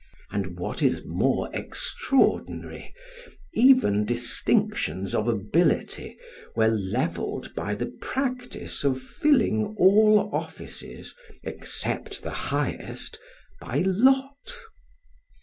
And, what is more extraordinary, even distinctions of ability were levelled by the practice of filling all offices, except the highest, by lot.